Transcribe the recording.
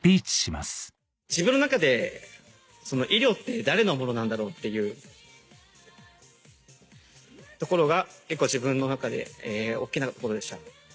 自分の中で医療って誰のものなんだろうっていうところが結構自分の中で大っきなところでした。